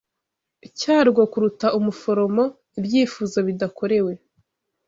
cyarwo kuruta umuforomo ibyifuzo bidakorewe